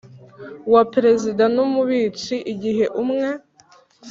Wa perezida n umubitsi igihe umwe